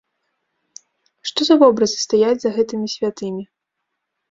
Што за вобразы стаяць за гэтымі святымі?